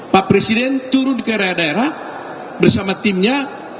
pak presiden turun ke daerah daerah bersama timnya